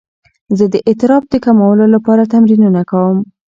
زه د اضطراب د کمولو لپاره تمرینونه کوم.